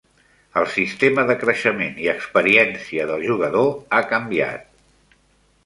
El "Sistema de creixement i experiència del jugador" ha canviat.